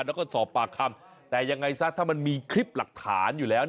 แล้วก็สอบปากคำแต่ยังไงซะถ้ามันมีคลิปหลักฐานอยู่แล้ว